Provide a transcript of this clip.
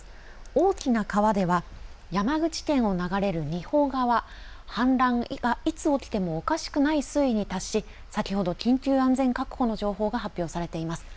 大きな川では山口県を流れる仁保川、氾濫がいつ起きてもおかしくない水位に達し先ほど緊急安全確保の情報が発表されています。